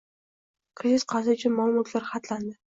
Kredit qarzi uchun mol-mulklar xatlanding